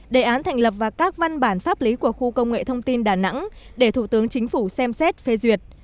đề án thành lập và các văn bản pháp lý của khu công nghệ thông tin đà nẵng để thủ tướng chính phủ xem xét phê duyệt